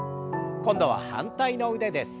今度は反対の腕です。